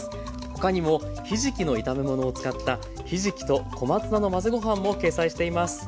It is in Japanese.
他にもひじきの炒め物を使ったひじきと小松菜の混ぜご飯も掲載しています。